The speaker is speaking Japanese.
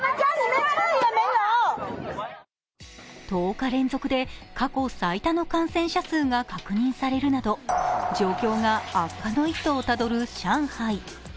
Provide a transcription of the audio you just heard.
１０日連続で過去最多の感染者数が確認されるなど状況が悪化の一途をたどる上海。